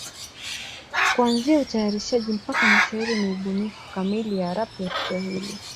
Kuanzia utayarishaji mpaka mashairi ni ubunifu kamili ya rap ya Kiswahili.